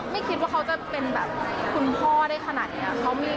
ไม่คิดว่าเขาจะเป็นแบบคุณพ่อได้ขนาดนี้